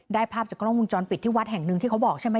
ภาพจากกล้องวงจรปิดที่วัดแห่งหนึ่งที่เขาบอกใช่ไหม